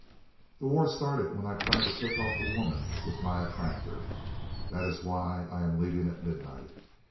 "The war started when I tried to pick off the women with my attractor. That is why I am leaving at midnight.